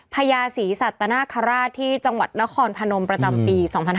พญาศรีสัตนาคาราชที่จังหวัดนครพนมประจำปี๒๕๕๙